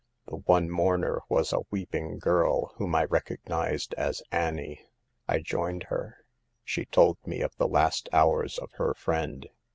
The one mourner was a weeping girl, whom I recognized as Annie. I joined her. She told me of the last hours of her friend.